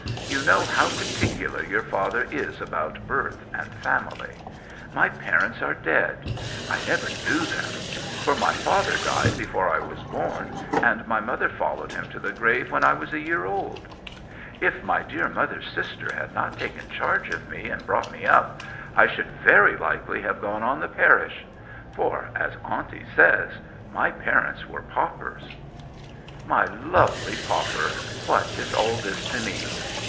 You know how particular your father is about birth and family. My parents are dead; I never knew them; for my father died before I was born, and my mother followed him to the grave when I was a year old. If my dear mother's sister had not taken charge of me and brought me up, I should very likely have gone on the parish; for as aunty says my parents were paupers.' 'My lovely pauper, what is all this to me?